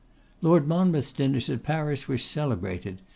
Lord Monmouth's dinners at Paris were celebrated.